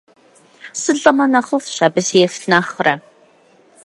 СылӀэмэ нэхъыфӀщ, абы сефт нэхърэ.